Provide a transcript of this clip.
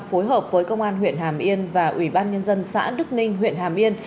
phối hợp với công an huyện hàm yên và ủy ban nhân dân xã đức ninh huyện hàm yên